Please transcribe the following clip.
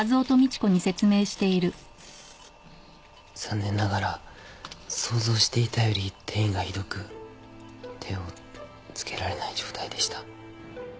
残念ながら想像していたより転移がひどく手を付けられない状態でした。